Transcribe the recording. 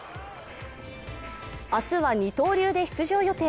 明日は二刀流で出場予定。